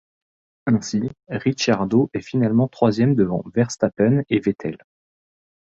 Ainsi, Ricciardo est finalement troisième devant Verstappen et Vettel.